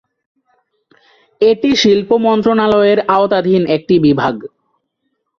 এটি শিল্প মন্ত্রণালয়ের আওতাধীন একটি বিভাগ।